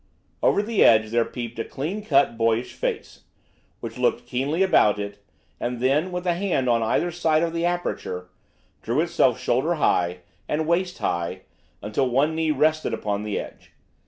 Over the edge there peeped a clean cut, boyish face, which looked keenly about it, and then, with a hand on either side of the aperture, drew itself shoulder high and waist high, until one knee rested upon the edge.